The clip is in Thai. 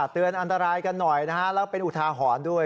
เตือนอันตรายกันหน่อยนะฮะแล้วเป็นอุทาหรณ์ด้วย